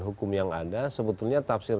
hukum yang ada sebetulnya tafsir